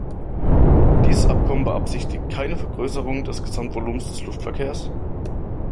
Dieses Abkommen "beabsichtigt keine Vergrößerung des Gesamtvolumens des Luftverkehrs"?